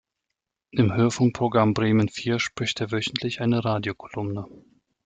Im Hörfunkprogramm Bremen Vier spricht er wöchentlich eine Radio-Kolumne.